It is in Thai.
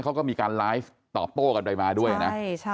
เขาก็มีการไลฟ์ตอบโต้กันไปมาด้วยนะ